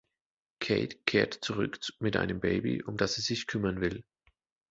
Cate kehrt zurück mit einem Baby, um das sie sich kümmern will.